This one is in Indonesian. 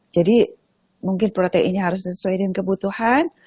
jadi mungkin proteinnya harus disesuaikan kebutuhan